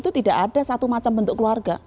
itu tidak ada satu macam bentuk keluarga